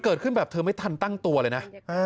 เกิดขึ้นแบบเธอไม่ทันตั้งตัวเลยนะ